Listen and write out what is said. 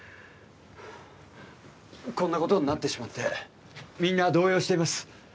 こんなことになってしまってみんな動揺しています